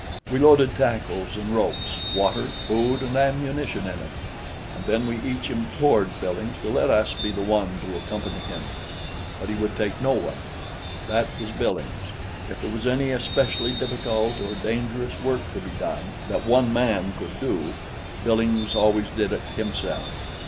We loaded tackles and ropes, water, food and ammunition in it, and then we each implored Billings to let us be the one to accompany him. But he would take no one. That was Billings; if there was any especially difficult or dangerous work to be done, that one man could do, Billings always did it himself.